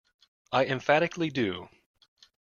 I emphatically do.